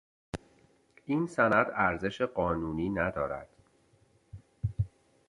این سند ارزش قانونی ندارد.